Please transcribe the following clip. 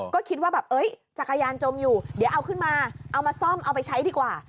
ก็คิดว่าแบบจักรยานจมอยู่เดี๋ยวเอาขึ้นมาเอามาซ่อมเอาไปใช้ดีกว่า